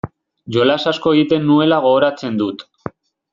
Jolas asko egiten nuela gogoratzen dut.